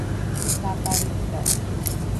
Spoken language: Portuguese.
Itaparica